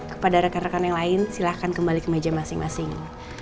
kepada rekan rekan yang lain silahkan kembali ke meja masing masing